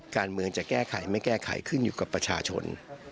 การเมืองจะแก้ไขไม่แก้ไขขึ้นอยู่กับประชาชน